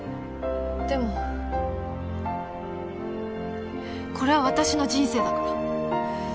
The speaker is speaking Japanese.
でもこれは私の人生だから。